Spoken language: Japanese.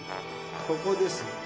ここです。